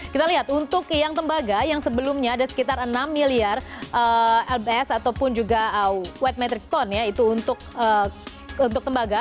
kita lihat untuk yang tembaga yang sebelumnya ada sekitar enam miliar lbs ataupun juga white metric ton ya itu untuk tembaga